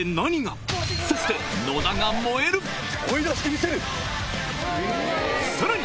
そしてさらに！